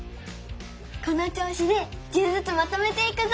このちょうしで１０ずつまとめていくぞ！